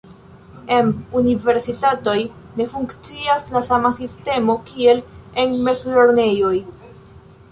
Em universitatoj ne funkcias la sama sistemo kiel en mezlernejoj.